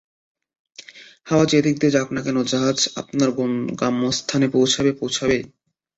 হাওয়া যে দিকে যাক না কেন, জাহাজ আপনার গম্যস্থানে পৌঁছবেই পৌঁছবে।